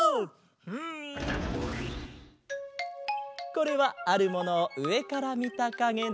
これはあるものをうえからみたかげだ。